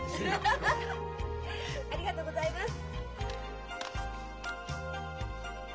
ありがとうございます。